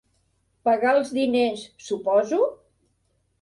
Pagar els diners, suposo?